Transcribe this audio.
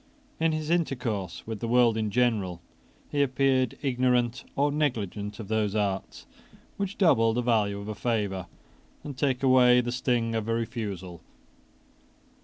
In his intercourse with the world in general he appeared ignorant or negligent of those arts which double the value of a favour and take away the sting of a refusal.